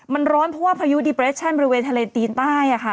มันร้อนเพราะว่าพายุดิเปรชั่นบริเวณทะเลจีนใต้